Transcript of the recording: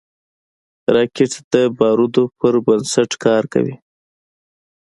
راکټ د بارودو پر بنسټ کار کوي